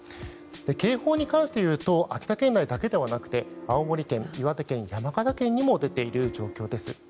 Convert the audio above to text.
警報に関していうと秋田県内だけではなくて青森県、岩手県山形県にも出ている状況です。